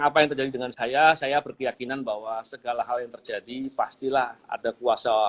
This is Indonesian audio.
apa yang terjadi dengan saya saya berkeyakinan bahwa segala hal yang terjadi pastilah ada kuasa